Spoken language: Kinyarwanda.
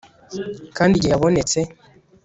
kandi igihe yabonetse